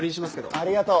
ありがとう。